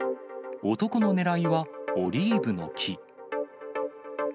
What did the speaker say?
男の狙いは、オリーブの木。